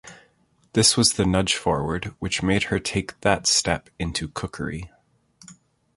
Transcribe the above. This was the nudge forward which made her take that step into cookery.